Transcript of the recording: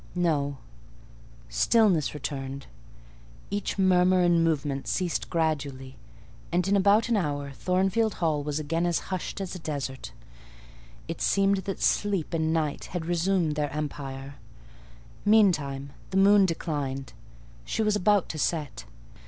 No: stillness returned: each murmur and movement ceased gradually, and in about an hour Thornfield Hall was again as hushed as a desert. It seemed that sleep and night had resumed their empire. Meantime the moon declined: she was about to set.